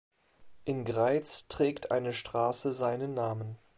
In Greiz trägt eine Straße seinen Namen.